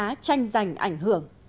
cơ vàng đã tranh giành ảnh hưởng